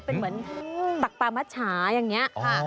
เป็นเหมือนตรักปะมัตรฉายังเนี้ย